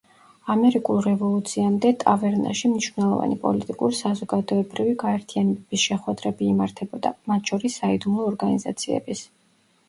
ამერიკულ რევოლუციამდე ტავერნაში, მნიშვნელოვანი პოლიტიკურ-საზოგადოებრივი გაერთიანებების შეხვედრები იმართებოდა, მათ შორის საიდუმლო ორგანიზაციების.